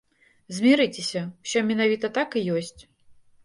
Змірыцеся, усё менавіта так і ёсць.